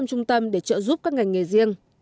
năm trung tâm để trợ giúp các ngành nghề riêng